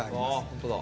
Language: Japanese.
本当だ。